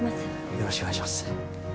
よろしくお願いします。